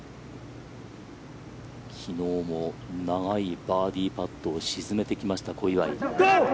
昨日も長いバーディーパットを沈めてきました、小祝。